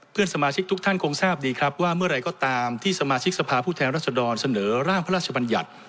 เพื่อนสมาชิกทุกท่านคงทราบดีครับว่าเมื่อไหร่ก็ตามที่สมาชิกสภาพผู้แทนรัศดรเสนอร่างพระราชบัญญัติ